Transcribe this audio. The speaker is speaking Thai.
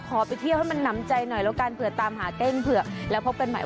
ไปเที่ยวให้มันหนำใจหน่อยแล้วกันเผื่อตามหาเต้นเผื่อแล้วพบกันใหม่